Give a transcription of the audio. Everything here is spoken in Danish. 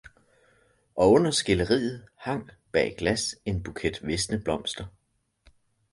Og under skilderiet hang bag glas en buket visne blomster